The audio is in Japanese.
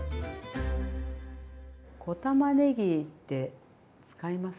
小たまねぎって使います？